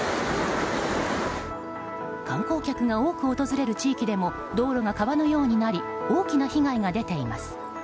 観光客が多く訪れる地域でも道路が川のようになり大きな被害が出ています。